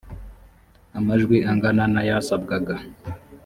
amajwi angana nayasabwaga.